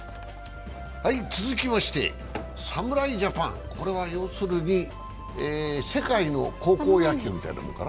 続きまして侍ジャパン、これは要するに世界の高校野球みたいなものかな？